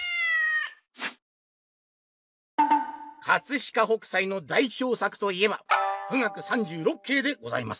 「飾北斎のだいひょう作といえば『冨嶽三十六景』でございます。